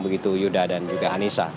begitu yuda dan juga anissa